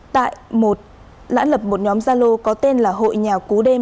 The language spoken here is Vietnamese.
tại lãn lập một nhóm gia lô có tên là hội nhà cú đêm